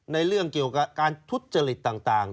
เรื่องเกี่ยวกับการทุจริตต่าง